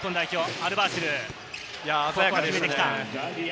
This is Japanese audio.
アルバーシル決めてきた！